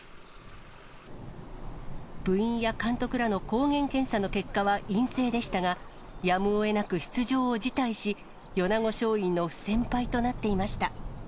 部員や監督らの抗原検査の結果は陰性でしたが、やむをえなく出場を辞退し、米子松陰の不戦敗となっていました。